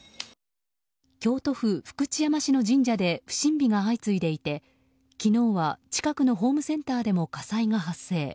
京都府福知山市の神社で不審火が相次いでいて昨日は、近くのホームセンターでも火災が発生。